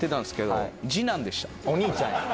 お兄ちゃんや。